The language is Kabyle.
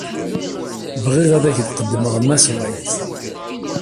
Bɣiɣ ad ak-d-qeddmeɣ Mass White.